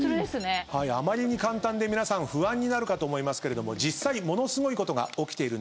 あまりに簡単で皆さん不安になるかと思いますけれども実際ものすごいことが起きているんです。